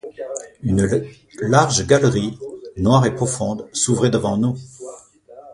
Une large galerie, noire et profonde, s’ouvrait devant nous.